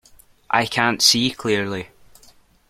I can't see clearly.